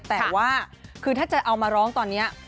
แต่ว่าคือถ้าจะเอามาร้องตอนนี้